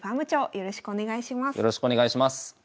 よろしくお願いします。